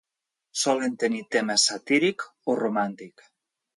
Solen tenir tema satíric o romàntic.